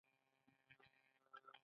ښځې د اوبو د کوزېدو غږ واورېد.